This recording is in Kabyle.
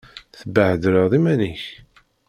Tebbhedleḍ iman-ik.